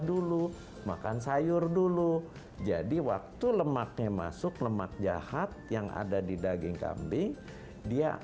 dulu makan sayur dulu jadi waktu lemaknya masuk lemak jahat yang ada di daging kambing dia